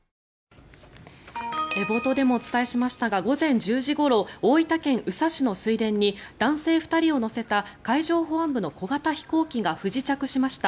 冒頭でもお伝えしましたが午前１０時ごろ大分県宇佐市の水田に男性２人を乗せた海上保安部の小型飛行機が不時着しました。